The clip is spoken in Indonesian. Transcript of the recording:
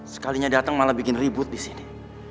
sekalinya dateng malah bikin ribut disini